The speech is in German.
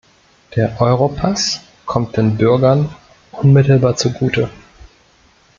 Der Europass kommt den Bürgern unmittelbar zugute.